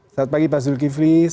selamat pagi pak zulkifli